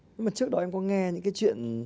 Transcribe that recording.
nhưng mà trước đó em có nghe những cái chuyện